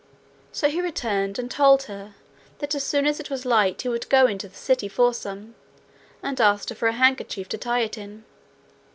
So he returned and told her that as soon as it was light he would go into the city for some, and asked her for a handkerchief to tie it in.